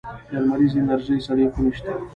د لمریزې انرژۍ سړې خونې شته؟